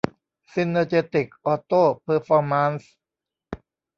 ซินเนอร์เจติค ออโต้ เพอร์ฟอร์มานซ์